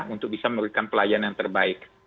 untuk bisa memberikan pelayanan yang terbaik